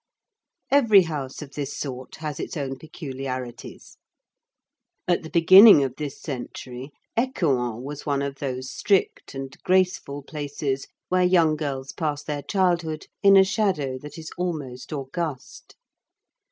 Every house of this sort has its own peculiarities. At the beginning of this century Écouen was one of those strict and graceful places where young girls pass their childhood in a shadow that is almost august.